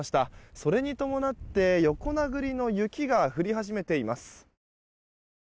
それに伴って横殴りの雪が降り始めています。